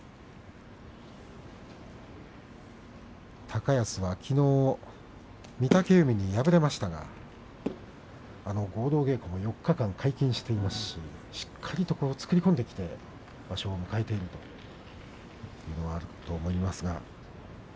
高安はきのう御嶽海に敗れましたが合同稽古も４日間皆勤していますししっかりと作り込んできてこの場所を迎えています。